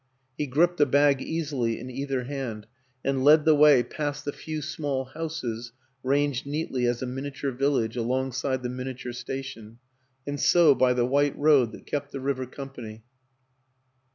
He gripped a bag easily in either hand, and led the way past the few small houses ranged neatly as a miniature village alongside the miniature station and so by the white road that kept the river company.